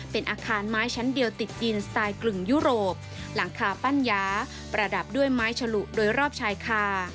เป็นอาคารไม้ชั้นเดียวติดดินสไตล์กึ่งยุโรปหลังคาปั้นยาประดับด้วยไม้ฉลุโดยรอบชายคา